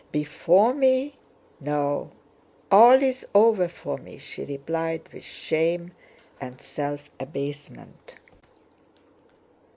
"Before me? No! All is over for me," she replied with shame and self abasement.